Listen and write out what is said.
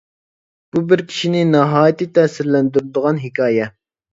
بۇ بىر كىشىنى ناھايىتى تەسىرلەندۈرىدىغان ھېكايە.